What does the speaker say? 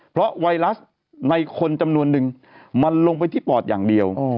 เพราะไวรัสในคนจำนวนนึงมันลงไปที่ปอดอย่างเดียว